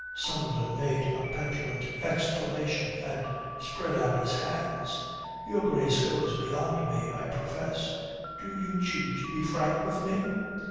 Sunderland made a petulant exclamation and spread out his hands. "Your Grace goes beyond me, I profess. Do you choose to be frank with me?"